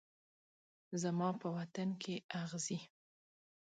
زما په وطن کې اغزي